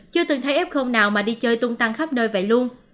chưa từng thấy f nào mà đi chơi tung tăng khắp nơi vậy luôn